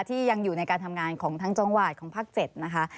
ที่ยังอยู่ในการทำงานของทั้งจังหวัดของภาค๗นะคะ